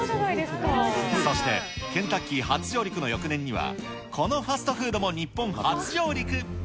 そして、ケンタッキー初上陸の翌年には、このファストフードも日本初上陸。